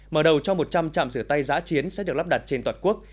mở đầu cho một trăm linh trạm rửa tay giã chiến sẽ được lắp đặt trên toàn quốc